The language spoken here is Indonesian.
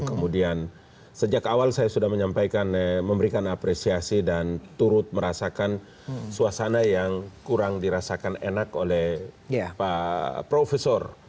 kemudian sejak awal saya sudah menyampaikan memberikan apresiasi dan turut merasakan suasana yang kurang dirasakan enak oleh pak profesor